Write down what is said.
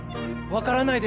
分からない